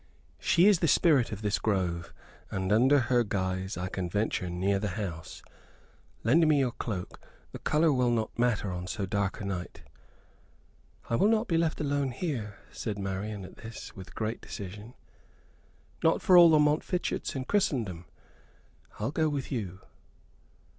"She is the spirit of this grove, and under her guise I can venture near to the house. Lend me your cloak the color will not matter on so dark a night." "I will not be left alone here," said Marian at this, with great decision. "Not for all the Montfichets in Christendom. I'll go with you."